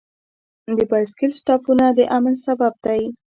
د بایسکل سټاپونه د امن سبب دی.